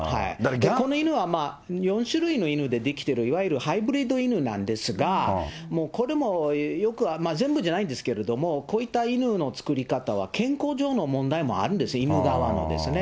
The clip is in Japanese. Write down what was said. この犬は４種類の犬でできてる、いわゆるハイブリッド犬なんですが、もうこれもよく、全部じゃないんですけれども、こういった犬の作り方は、健康上の問題もあるんです、犬側のですね。